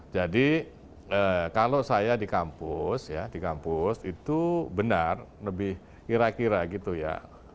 jadi kalau saya di kampus ya di kampus itu benar lebih kira kira gitu ya